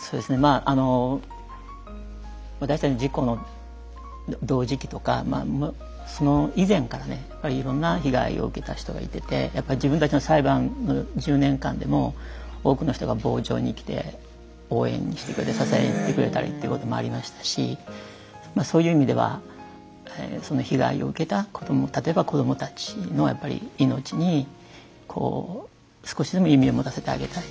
そうですねまああの私たち事故の同時期とかその以前からねいろんな被害を受けた人がいててやっぱり自分たちの裁判の１０年間でも多くの人が傍聴に来て応援してくれて支えてくれたりってこともありましたしそういう意味ではその被害を受けた例えば子どもたちのやっぱり命に少しでも意味を持たせてあげたいと。